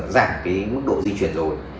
giảm mức độ di chuyển rồi